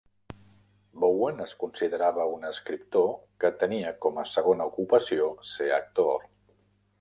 Bowen es considerava un escriptor que tenia com segona ocupació ser actor.